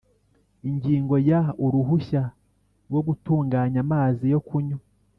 Ingingo ya Uruhushya rwo gutunganya amazi yo kunywa.